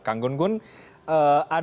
kanggungun ada catatan sendiri kan